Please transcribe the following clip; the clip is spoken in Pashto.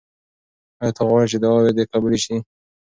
آیا ته غواړې چې دعاوې دې قبولې شي؟